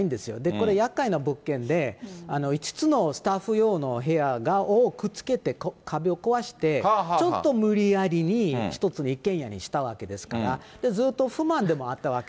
これ、やっかいな物件で、５つのスタッフ用の部屋をくっつけて壁を壊して、ちょっと無理やりに一つの一軒家にしたわけですから、ずっと不満でもあったわけ。